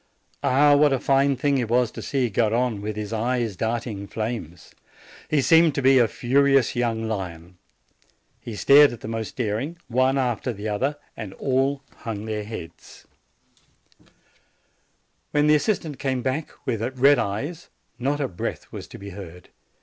Ah, what a fine thing it was to see Garrone, with his eyes darting flames ! He seemed to be a furious young lion. He stared at the most daring, one after the other, and all hung their heads. STARDFS LIBRARY 87 When the assistant came back, with red eyes, not a breath was to be heard.